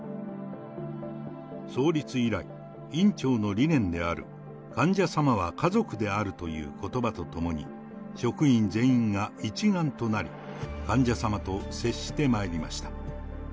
創立以来、院長の理念である、患者様は家族であるということばとともに、職員全員が一丸となり、患者様と接してまいりました。